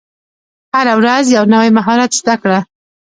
هره ورځ یو نوی مهارت زده کړه.